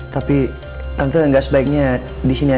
tapi tante nggak sebaiknya di sini aja